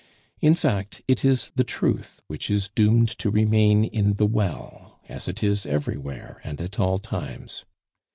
In fact, it is the truth which is doomed to remain in the well, as it is everywhere and at all times.